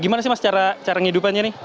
gimana sih mas cara ngidupannya nih